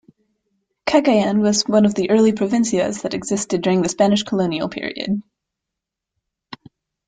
Cagayan was one of the early "provincia"s that existed during the Spanish Colonial Period.